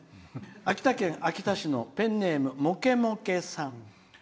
秋田県秋田市のペンネームもけもけさん。